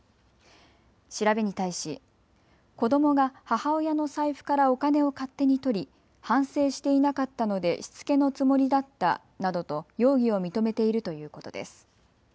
調べに対し子どもが母親の財布からお金を勝手にとり、反省していなかったのでしつけのつもりだったなどと容疑を認めているということです。